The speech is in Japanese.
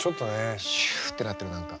シュってなってる何か。